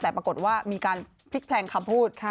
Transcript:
แต่ปรากฏว่ามีการพลิกแพลงคำพูด